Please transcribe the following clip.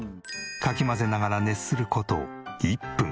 かき混ぜながら熱する事１分。